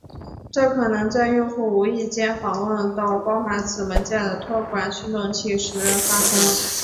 这可能在用户无意间访问到包含此文件的托管驱动器时发生。